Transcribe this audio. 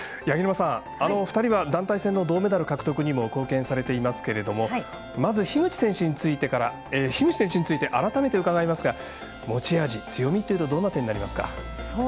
八木沼さん、２人は団体戦、銅メダル獲得にも貢献されていますけれどもまず、樋口選手について改めて、伺いますが持ち味、強みというとどんな点になりますか？